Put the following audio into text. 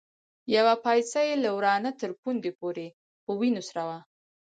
يوه پايڅه يې له ورانه تر پوندې پورې په وينو سره وه.